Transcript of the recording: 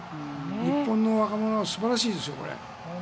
日本の若者は素晴らしいですよ。